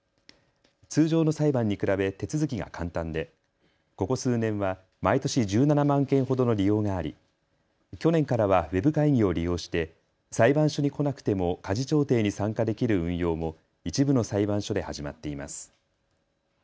通常の裁判に比べ手続きが簡単でここ数年は毎年１７万件ほどの利用があり去年からはウェブ会議を利用して裁判所に来なくても家事調停に参加できる運用も一部の裁判所で始まっています。